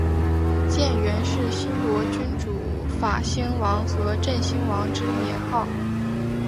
建元是新罗君主法兴王和真兴王之年号。